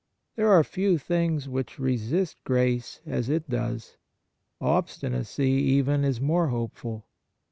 There are few things which resist grace as it does. Obstinacy, even, is more hopeful.